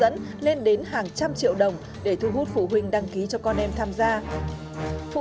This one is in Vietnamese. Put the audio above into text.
các thí sinh đã giải mức từ một triệu hai triệu ba triệu đồng để khuyến khích và ghi nhận các thành tích của các bạn đã được